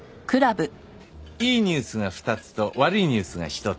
いいニュースが２つと悪いニュースが１つ。